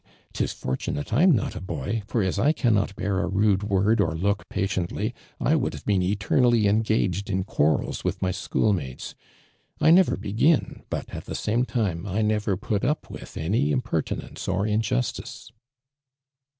"Tis for tunate I'm not a boy, fora ^ I cannot lieai a rude word or look, jiaticntly, I would have been eternally emraged in (|uarrel<« with my schoolmates. I never liegin. but. at the same time, I never \nit u[) with any impertinence or injustice